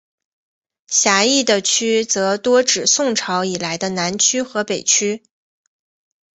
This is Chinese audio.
狭义的曲则多指宋朝以来的南曲和北曲。